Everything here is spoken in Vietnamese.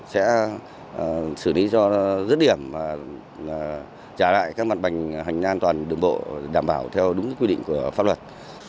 sẽ xử lý cho rứt điểm trả lại các mặt bành hành an toàn đường bộ đảm bảo theo đúng quy định của pháp luật